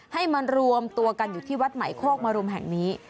ให้มารวมตัวกันอยู่ที่วัดใหม่โคกมรุมแห่งนี้